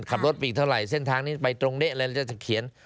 ขับรถไปอีกเท่าไหร่เส้นทางนี้ไปตรงเด๊ะเลยเราจะเขียน